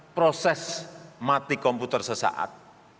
proses mati komputer sesaat